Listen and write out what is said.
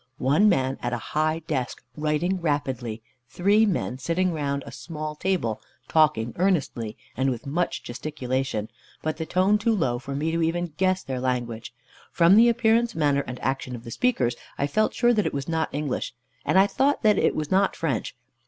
One man at a high desk writing rapidly; three men sitting round a small table, talking earnestly, and with much gesticulation, but the tone too low for me even to guess their language. From the appearance, manner, and action of the speakers, I felt sure that it was not English, and I thought that it was not French.